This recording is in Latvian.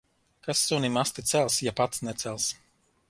Kas sunim asti cels, ja pats necels.